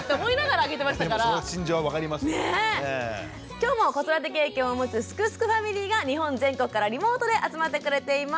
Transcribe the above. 今日も子育て経験を持つ「すくすくファミリー」が日本全国からリモートで集まってくれています。